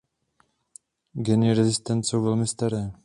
Geny rezistence jsou velmi staré.